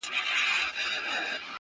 پښې د کمبلي سره غځوه.